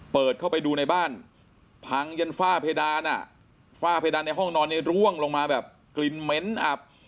เปิดเข้าไปดูในบ้านพังยันฝ้าเพดานอ่ะฝ้าเพดานในห้องนอนเนี่ยร่วงลงมาแบบกลิ่นเหม็นอับ